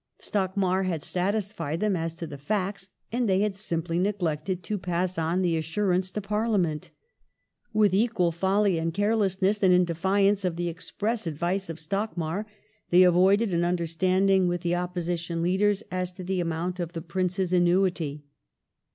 Stockmar had satisfied them as to the facts, and they had simply neglected to pass on the assurance to Parliament. With equal folly and carelessness, and in defiance of the express advice of Stockmar, they avoided an understanding with the Opposition leaders as to the amount of the Prince's annuity.